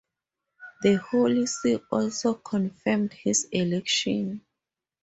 The Holy See also confirmed his election.